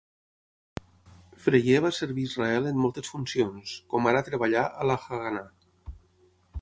Freier va servir Israel en moltes funcions, com ara treballar a la Haganà.